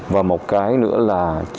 và một cái nữa là